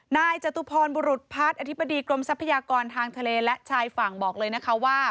นายจตุพรบุรุษพัฒน์อธิบดีกรมทรัพยากรทางทะเลและชายฝั่งบอกเลยนะคะว่า